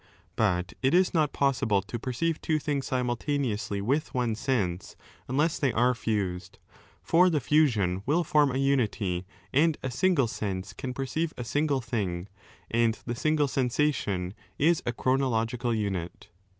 But it is not possible to perceive 7 two things simultaneously with one sense unless they are fused. For the fusion will form a unity and a single sense can perceive a single thing and the single sensation is a chronological unit.